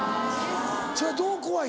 それはどう怖いの？